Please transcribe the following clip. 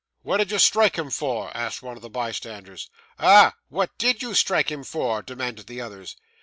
'What did you strike him for?' asked one of the bystanders. 'Ah! what did you strike him for?' demanded the others.